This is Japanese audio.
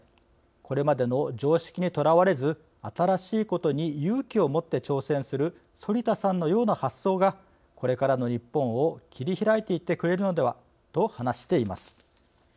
これまでの常識にとらわれず新しいことに勇気を持って挑戦する反田さんのような発想がこれからの日本を切り拓いていってくれるのでは」と話しています。